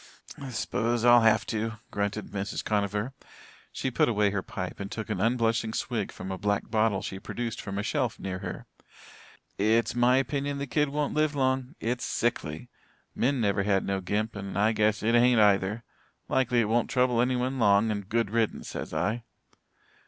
"S'pose I'll have to," grunted Mrs. Conover. She put away her pipe and took an unblushing swig from a black bottle she produced from a shelf near her. "It's my opinion the kid won't live long. It's sickly. Min never had no gimp and I guess it hain't either. Likely it won't trouble any one long and good riddance, sez I."